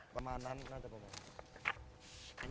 ประมาณนั้นน่าจะประมาณ